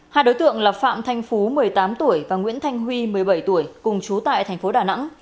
hai đối tượng là phạm thanh phú một mươi tám tuổi và nguyễn thanh huy một mươi bảy tuổi cùng chú tại thành phố đà nẵng